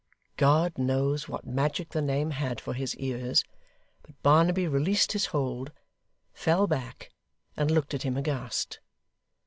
God knows what magic the name had for his ears; but Barnaby released his hold, fell back, and looked at him aghast.